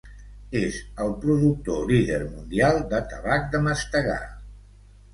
És el productor líder mundial de tabac de mastegar.